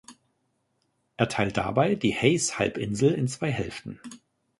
Er teilt dabei die Hayes-Halbinsel in zwei Hälften.